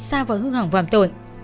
xa vào hư hỏng và hàm tội